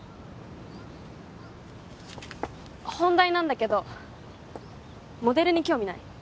本題なんだけどモデルに興味ない？